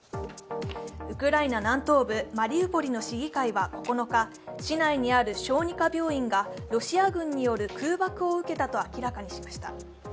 ウクライナ南東部、マリウポリの市議会は９日、市内にある小児科病院がロシア軍による空爆を受けたと明らかにしました。